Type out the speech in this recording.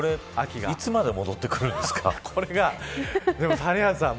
いつまで戻ってくるんですか谷原さん